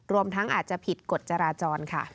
รวมทั้งอาจจะผิดกฎจราจรค่ะ